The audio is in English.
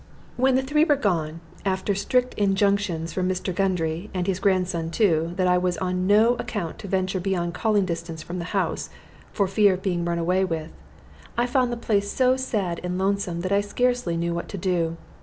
When the three were gone, after strict injunctions from Mr. Gundry, and his grandson too, that I was on no account to venture beyond calling distance from the house, for fear of being run away with, I found the place so sad and lonesome that I scarcely knew what to do.